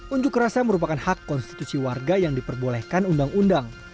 unjuk rasa merupakan hak konstitusi warga yang diperbolehkan undang undang